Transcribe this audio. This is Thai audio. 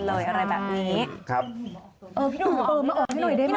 พี่หนูมาหน่อย